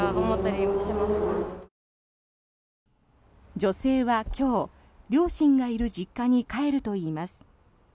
女性は今日、両親がいる実家に帰るといいます。